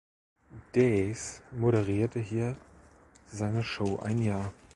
Dees moderierte hier seine Show ein Jahr.